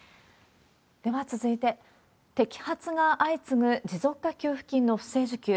では続いて、摘発が相次ぐ持続化給付金の不正受給。